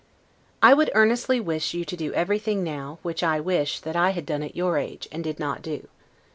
I would earnestly wish you to do everything now, which I wish, that I had done at your age, and did not do.